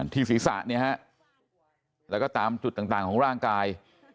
ที่ศีรษะเนี่ยฮะแล้วก็ตามจุดต่างของร่างกาย